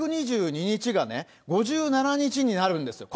１２２日がね、５７日になるんですよ。